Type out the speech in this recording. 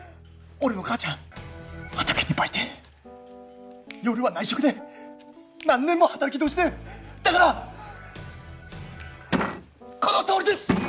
俺の母ちゃん畑に売店夜は内職で何年も働き通しでだからこのとおりです！